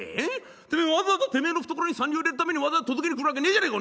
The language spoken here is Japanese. てめえわざわざてめえの懐に三両入れるためにわざわざ届けに来るわけねえじゃねえか